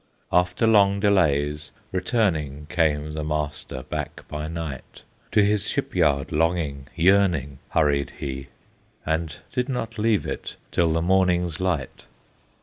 After long delays returning Came the master back by night; To his ship yard longing, yearning, Hurried he, and did not leave it Till the morning's light.